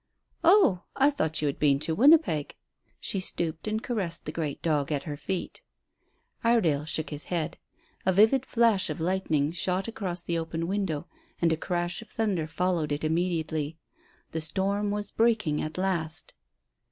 "Oh, I thought you had been to Winnipeg." She stooped and caressed the great dog at her feet. Iredale shook his head. A vivid flash of lightning shot across the open window, and a crash of thunder followed it immediately. The storm was breaking at last.